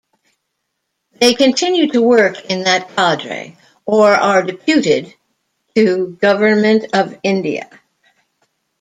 They continue to work in that cadre or are deputed to Government of India.